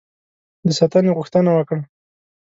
د ساتنې غوښتنه وکړه.